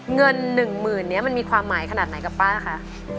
เงิน๑๐๐๐นี้มันมีความหมายขนาดไหนกับป้าคะ